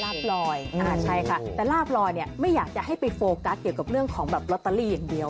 ใช่ค่ะแต่ลาบลอยเนี่ยไม่อยากจะให้ไปโฟกัสเกี่ยวกับเรื่องของแบบลอตเตอรี่อย่างเดียว